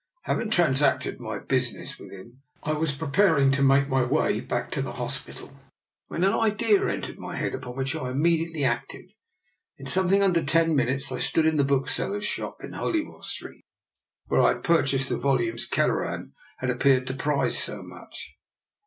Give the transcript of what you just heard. Having transacted my business with him, I was preparing to make my way DR. NIKOLA'S EXPERIMENT. 17 back to the hospital, when an idea entered my head upon which I immediately acted. In something under ten minutes I stood in the bookseller's shop in Holywell Street where I had purchased the volumes Kelleran had appeared to prize so much.